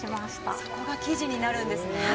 あそこが生地になるんですね。